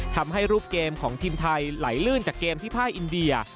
ทำให้รูปเกมของทีมไทยไหลลื่นจากเกมที่ภาคอินเดีย